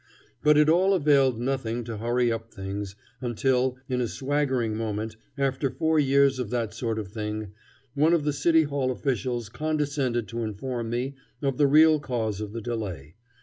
But it all availed nothing to hurry up things, until, in a swaggering moment, after four years of that sort of thing, one of the City Hall officials condescended to inform me of the real cause of the delay.